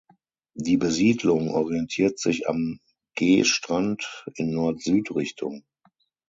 Die Besiedlung orientiert sich am Geestrand in Nord-Süd-Richtung.